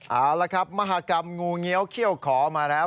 เอาละครับมหากรรมงูเงี้ยวเขี้ยวขอมาแล้ว